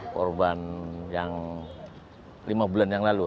korban yang lima bulan yang lalu